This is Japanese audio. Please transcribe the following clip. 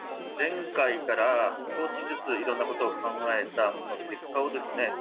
前回から少しずついろんなことを考えたその結果をですね